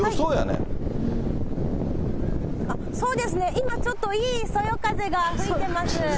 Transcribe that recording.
そうですね、今ちょっといいそよ風が吹いてます。